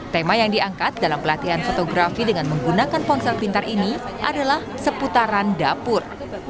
tema yang diangkat dalam pelatihan fotografi dengan menggunakan ponsel pintar ini adalah seputaran dapur